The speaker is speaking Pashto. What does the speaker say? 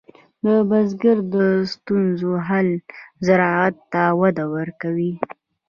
د بزګر د ستونزو حل زراعت ته وده ورکوي.